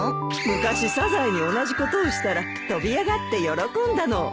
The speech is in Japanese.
昔サザエに同じことをしたら跳び上がって喜んだのを思い出したんだよ。